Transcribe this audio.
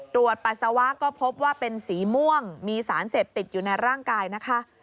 ปัสสาวะก็พบว่าเป็นสีม่วงมีสารเสพติดอยู่ในร่างกายนะคะ